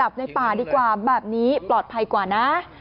ในป่าดีกว่าแบบนี้ปลอดภัยกว่านะ